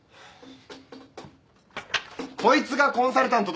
こいつがコンサルタントだ。